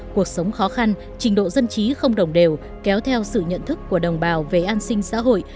cuộc sống khó khăn trình độ dân trí không đồng đều kéo theo sự nhận thức của đồng bào về an sinh xã hội